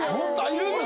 いるんだ？